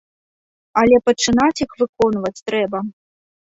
Але пачынаць іх выконваць трэба.